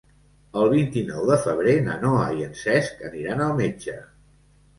El vint-i-nou de febrer na Noa i en Cesc aniran al metge.